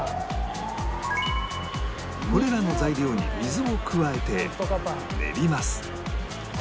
これらの材料に水を加えて練ります